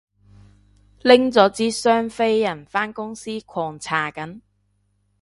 拎咗支雙飛人返公司狂搽緊